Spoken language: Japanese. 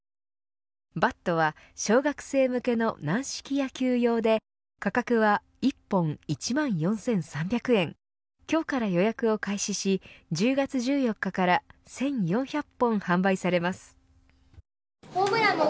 バットは小学生向けの軟式野球用で価格は１本、１万４３００円今日から予約を開始し１０月１４日から１４００本販売されます。